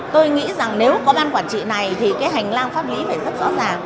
tôi nghĩ rằng nếu có ban quản trị này thì cái hành lang pháp lý phải rất rõ ràng